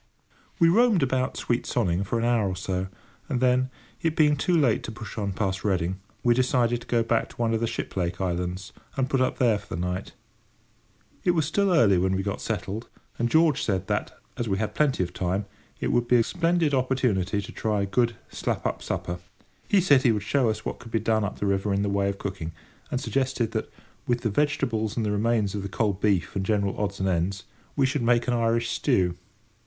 We roamed about sweet Sonning for an hour or so, and then, it being too late to push on past Reading, we decided to go back to one of the Shiplake islands, and put up there for the night. It was still early when we got settled, and George said that, as we had plenty of time, it would be a splendid opportunity to try a good, slap up supper. He said he would show us what could be done up the river in the way of cooking, and suggested that, with the vegetables and the remains of the cold beef and general odds and ends, we should make an Irish stew.